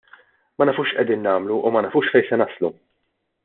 Ma nafux x'qegħdin nagħmlu u ma nafux fejn se naslu.